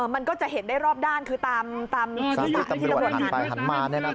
มันก็จะเห็นได้รอบด้านคือตาม